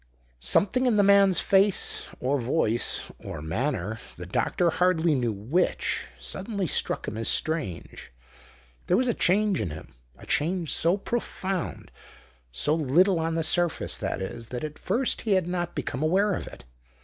Something in the man's face, or voice, or manner the doctor hardly knew which suddenly struck him as strange. There was a change in him, a change so profound so little on the surface, that is that at first he had not become aware of it.